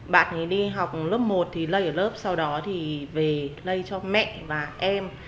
bạn ấy đi học lớp một thì lây ở lớp sau đó thì về lây cho mẹ và em